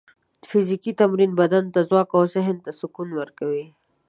فزیکي تمرین بدن ته ځواک او ذهن ته سکون ورکوي.